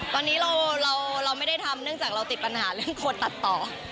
ตอนนี้เราไม่ได้ทำเนื่องจากเราติดปัญหาเรื่องคนตัดต่อ